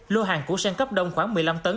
lô hàng củ sen cấp đông khoảng một mươi năm tấn